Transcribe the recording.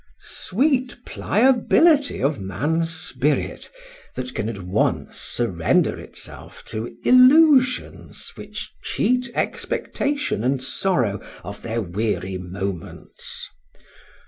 Sweet pliability of man's spirit, that can at once surrender itself to illusions, which cheat expectation and sorrow of their weary moments!